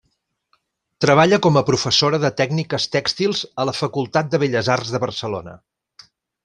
Treballa com a professora de tècniques tèxtils a la Facultat de Belles Arts de Barcelona.